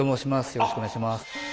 よろしくお願いします。